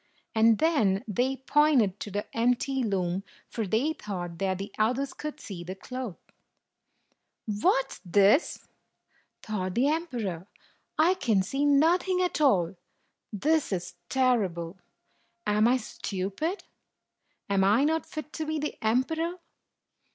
And then they pointed to the empty loom, for they thought that the others could see the cloth. "What 's this?" thought the emperor; "I can see nothing at all ! This is terrible ! Am I stupid? Am I not fit to be emperor?